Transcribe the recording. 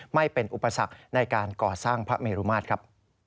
ไม่เป็นอุปสรรคในการก่อสร้างพระเมรุมาตรครับ